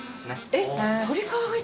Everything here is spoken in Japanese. えっ？